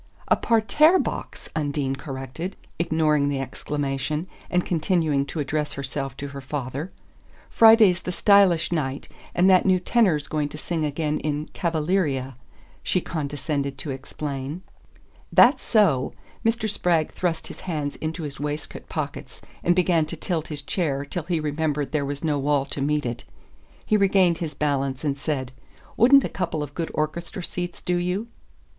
"A parterre box," Undine corrected, ignoring the exclamation, and continuing to address herself to her father. "Friday's the stylish night, and that new tenor's going to sing again in 'Cavaleeria,'" she condescended to explain. "That so?" Mr. Spragg thrust his hands into his waistcoat pockets, and began to tilt his chair till he remembered there was no wall to meet it. He regained his balance and said: "Wouldn't a couple of good orchestra seats do you?"